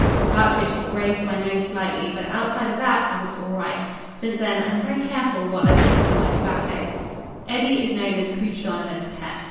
The cartridge had grazed my nose slightly, but outside of that I was all right. Since then I am very careful what I put in my tobacco." Eddie is known as "Pooch Donovan's pet."